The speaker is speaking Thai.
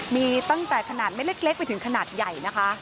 มีตั้งแต่ขนาดเล็กไปถึงขนาดใหญ่นะคะ